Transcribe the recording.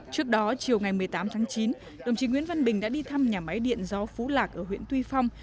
trước đó chiều ngày một mươi tám tháng chín đồng chí nguyễn văn bình đã đi thăm nhà máy điện gió phú lạc ở huyện tuy phong